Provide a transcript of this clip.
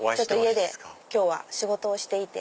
家で今日は仕事をしていて。